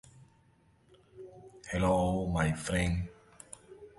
Como comandante militar, el Caballero de Arkham es muy confiado con sus habilidades.